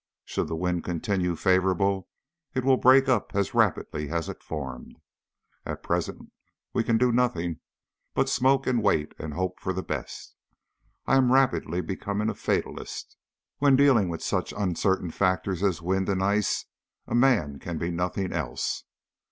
Should the wind continue favourable it will break up as rapidly as it formed. At present we can do nothing but smoke and wait and hope for the best. I am rapidly becoming a fatalist. When dealing with such uncertain factors as wind and ice a man can be nothing else.